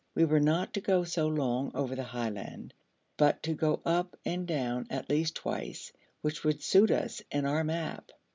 We were not to go so long over the highland, but to go up and down at least twice, which would suit us and our map.